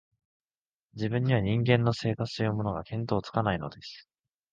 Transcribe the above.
自分には、人間の生活というものが、見当つかないのです